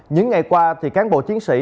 những ngày qua cán bộ chiến sĩ